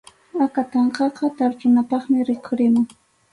Akatanqaqa tarpunapaqmi rikhurimun.